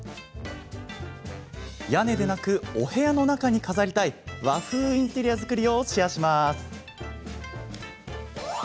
屋根でなくお部屋の中に飾りたい和風インテリア作りをシェアします。